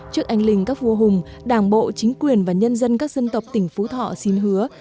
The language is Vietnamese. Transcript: trước anh linh các vua hùng đảng bộ chính quyền và nhân dân các dân tộc tỉnh phú thọ xin hứa